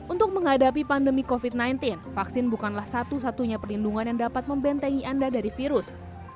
untuk menghadapi pandemi covid sembilan belas vaksin bukanlah satu satunya perlindungan yang dapat membentengi anda dari virus